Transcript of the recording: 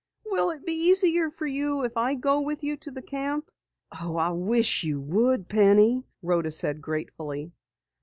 "Will it be easier for you if I go with you to the camp?" "Oh, I wish you would, Penny!" Rhoda said gratefully.